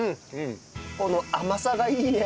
この甘さがいいね。